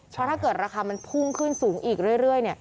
เพราะถ้าเกิดราคามันพุ่งขึ้นสูงอีกเรื่อย